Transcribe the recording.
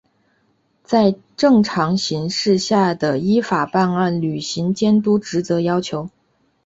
与正常形势下的依法办案、履行监督职责要求